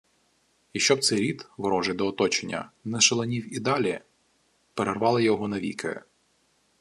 І щоб цей рід, ворожий до оточення, не шаленів і далі, – перервало його навіки